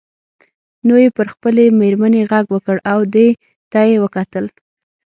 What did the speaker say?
نو یې پر خپلې میرمنې غږ وکړ او دې ته یې وکتل.